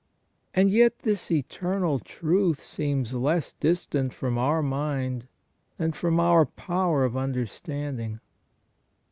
And yet this eternal truth seems less distant from our mind than from our power of under standing.